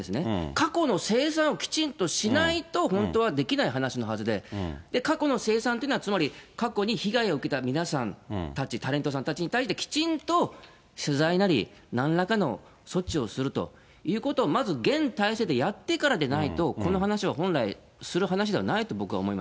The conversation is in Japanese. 過去の清算をきちんとしないと、本当はできない話のはずで、過去の清算というのは、つまり過去に被害を受けた皆さんたち、タレントさんたちに対して、きちんと謝罪なりなんらかの措置をするということを、まず現体制でやってからでないと、この話は本来、する話ではないと僕は思い